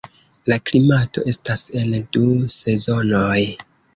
La klimato estas en du sezonoj.